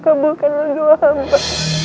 kabulkanlah doa hamba